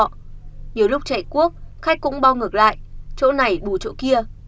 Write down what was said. nhiều lúc chạy cuốc khách cũng bao ngược lại chỗ này bù chỗ kia